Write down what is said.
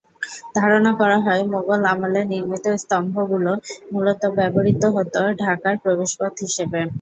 ধারণা করা হয়, মোগল আমলে নির্মিত স্তম্ভগুলো মূলত ব্যবহূত হতো ঢাকার প্রবেশপথ হিসেবে।